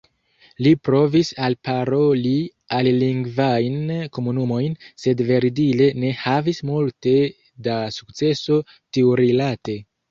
Ni provis alparoli alilingvajn komunumojn, sed verdire ne havis multe da sukceso tiurilate.